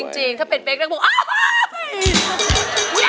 จริงถ้าเป็นเฟคก็บอกอ้าวฮ่าฮ่าฮ่า